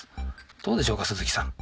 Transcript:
どうでしょうか鈴木さん。